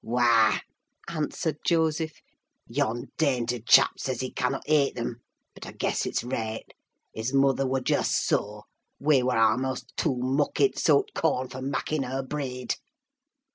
"Wah!" answered Joseph, "yon dainty chap says he cannut ate 'em. But I guess it's raight! His mother wer just soa—we wer a'most too mucky to sow t' corn for makking her breead."